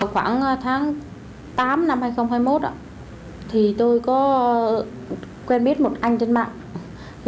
khoảng tháng tám năm hai nghìn hai mươi một tôi có quen biết một anh trên mạng